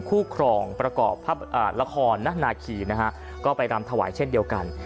คู่ครองประกอบภาพอ่าละครนะนาขีนะฮะก็ไปรำถวายเช่นเดียวกัน